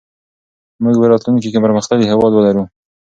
موږ به راتلونکي کې پرمختللی هېواد ولرو.